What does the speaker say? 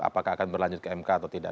apakah akan berlanjut ke mk atau tidak